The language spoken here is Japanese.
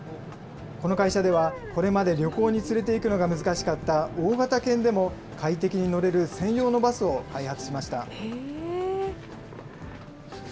この会社では、これまで旅行に連れていくのが難しかった大型犬でも快適に乗れる専用のバスを開発しました。